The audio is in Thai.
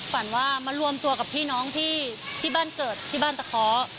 ฝันว่ามารวมตัวกับพี่น้องที่บ้านเกิดที่บ้านตะเคาะ